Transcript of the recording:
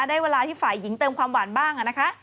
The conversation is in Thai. ได้เวลาที่ฝ่ายหญิงเติมความหวานบ้างนะคะ